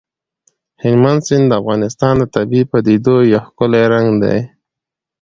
هلمند سیند د افغانستان د طبیعي پدیدو یو ښکلی رنګ دی.